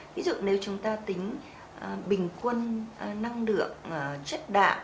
ví dụ nếu chúng ta tính bình quân năng lượng chất đạm